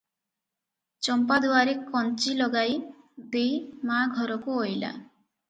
ଚମ୍ପା ଦୁଆରେ କଞ୍ଚି ଲଗାଇ ଦେଇ ମା ଘରକୁ ଅଇଲା ।